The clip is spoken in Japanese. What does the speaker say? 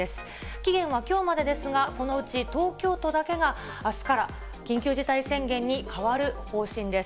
期限はきょうまでですが、このうち東京都だけが、あすから緊急事態宣言に変わる方針です。